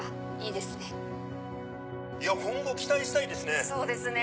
いや今後期待したいですね。